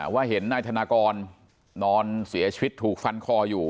ว่าเห็นนายธนากรนอนเสียชีวิตถูกฟันคออยู่